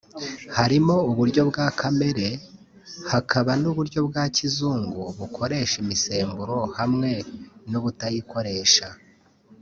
harimo uburyo bwa kamere hakaba n'uburyo bwa kizungu bukoresha imisemburo hamwe n'ubutayikoresha